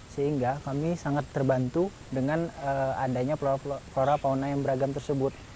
sehingga kami sangat terbantu dengan adanya flora fauna yang beragam tersebut